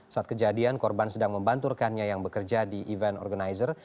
saat kejadian korban sedang membanturkannya yang bekerja di event organizer